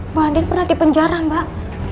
mbak andi pernah di penjara mbak